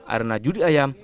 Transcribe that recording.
arena judi ayam